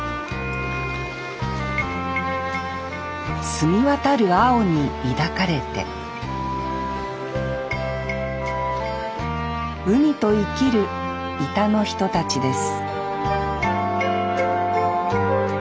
澄みわたる青に抱かれて海と生きる井田の人たちです